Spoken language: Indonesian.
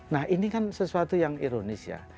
nah ini kan sesuatu yang ironis ya